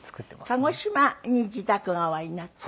鹿児島に自宅がおありになって。